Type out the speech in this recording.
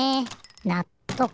なっとく。